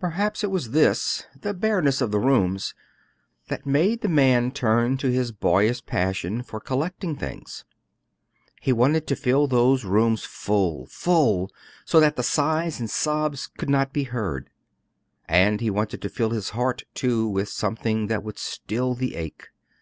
"Perhaps it was this the bareness of the rooms that made the man turn to his boyish passion for collecting things. He wanted to fill those rooms full, full! so that the sighs and sobs could not be heard; and he wanted to fill his heart, too, with something that would still the ache.